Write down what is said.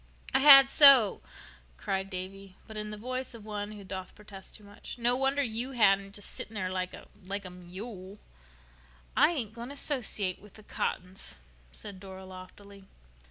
"I had so," cried Davy, but in the voice of one who doth protest too much. "No wonder you hadn't—just sitting there like a—like a mule." "I ain't going to, 'sociate with the Cottons," said Dora loftily.